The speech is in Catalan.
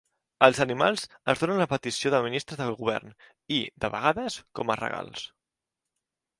Els animals es donen a petició de ministres del govern i, de vegades, com a regals.